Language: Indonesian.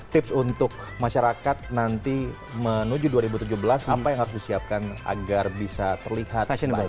tips untuk masyarakat nanti menuju dua ribu tujuh belas apa yang harus disiapkan agar bisa terlihat baik